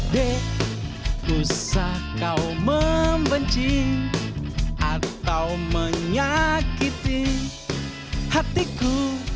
d usah kau membenci atau menyakiti hatiku